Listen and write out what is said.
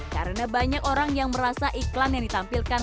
karena banyak orang yang merasa iklan yang ditampilkan